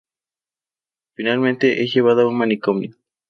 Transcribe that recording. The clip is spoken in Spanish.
Finalmente es llevada a un manicomio.